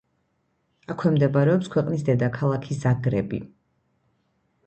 აქვე მდებარეობს ქვეყნის დედაქალაქი ზაგრები.